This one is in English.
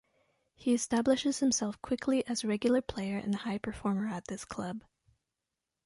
He establishes himself quickly as regular player and high performer at this club.